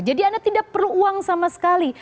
jadi anda tidak perlu uang sama sekali